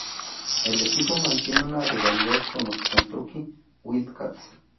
El equipo mantiene una rivalidad con los Kentucky Wildcats.